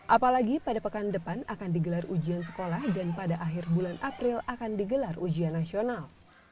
apalagi pada pekan depan akan digelar ujian sekolah dan pada akhir bulan april akan digelar ujian nasional